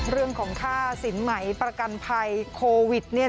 เรื่องของค่าสินไหมประกันภัยโควิด